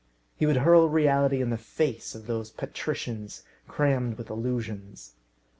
He would hurl reality in the face of those patricians, crammed with illusions.